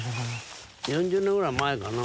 ４０年ぐらい前かな。